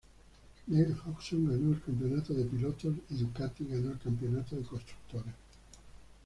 Neil Hodgson ganó el campeonato de pilotos y Ducati ganó el campeonato de constructores.